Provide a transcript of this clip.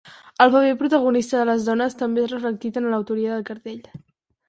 El paper protagonista de les dones també és reflectit en l’autoria del cartell.